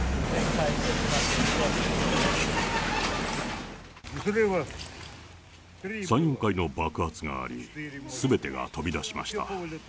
３、４回の爆発があり、すべてが飛び出しました。